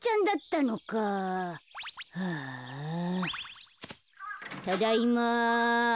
ただいま。